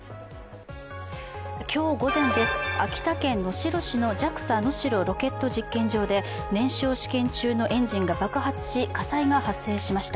今日午前です、秋田県能代市のＪＡＸＡ能代ロケット実験場で、燃焼試験中のエンジンが爆発し火災が発生しました。